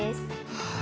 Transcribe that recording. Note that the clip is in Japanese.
はい。